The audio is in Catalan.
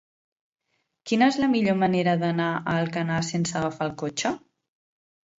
Quina és la millor manera d'anar a Alcanar sense agafar el cotxe?